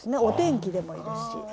お天気でもいいですし。